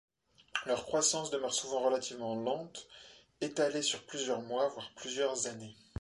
Leur croissance demeure souvent relativement lente, étalée sur plusieurs mois voire plusieurs années.